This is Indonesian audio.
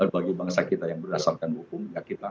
bagi bangsa kita yang berdasarkan hukum